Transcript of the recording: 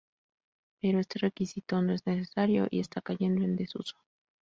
Pero este requisito no es necesario y está cayendo en desuso.